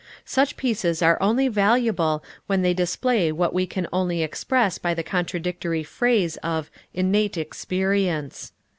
Such pieces are only valuable when they display what we can only express by the contradictory phrase of _innate experience.